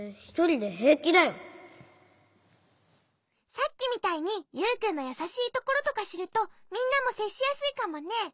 さっきみたいにユウくんのやさしいところとかしるとみんなもせっしやすいかもね。